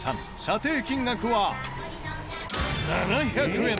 査定金額は７００円。